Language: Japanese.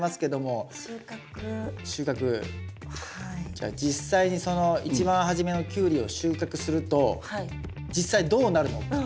じゃあ実際にその一番初めのキュウリを収穫すると実際どうなるのか？